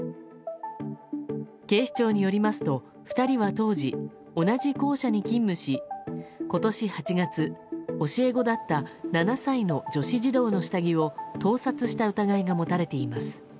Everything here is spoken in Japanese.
警視庁によりますと、２人は当時同じ校舎に勤務し、今年８月教え子だった７歳の女子児童の下着を盗撮した疑いが持たれています。